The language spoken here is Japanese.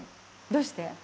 どうして？